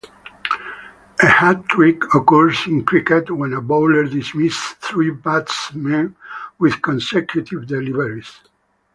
A hat-trick occurs in cricket when a bowler dismisses three batsmen with consecutive deliveries.